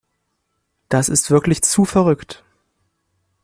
Das ist wirklich zu verrückt.